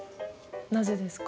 なぜですか？